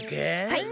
はい。